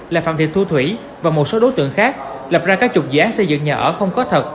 là phạm thị thu thủy và một số đối tượng khác lập ra các trục dự án xây dựng nhà ở không có thật